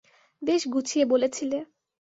বেশ গুছিয়ে বলেছিলে।